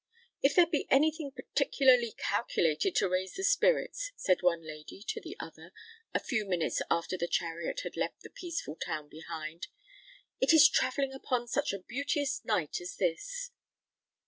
"If there be any thing particularly calculated to raise the spirits," said one lady to the other, a few minutes after the chariot had left the peaceful town behind, "it is travelling upon such a beauteous night as this."